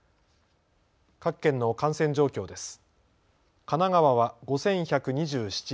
各県の感染状況です。